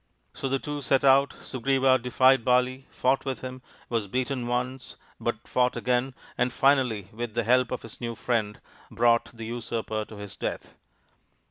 So the two set out, Sugriva defied Bali, fought with him, was beaten once, but fought again, and, finally, with the help of his new friend, brought the usurper to his death.